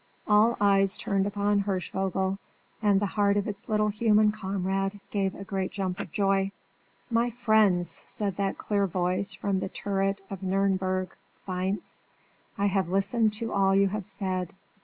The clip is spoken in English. All eyes turned upon Hirschvogel, and the heart of its little human comrade gave a great jump of joy. "My friends," said that clear voice from the turret of Nürnberg faïence, "I have listened to all you have said.